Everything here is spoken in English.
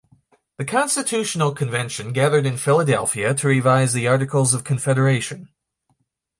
The Constitutional Convention gathered in Philadelphia to revise the Articles of Confederation.